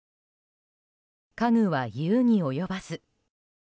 家具は言うに及ばず。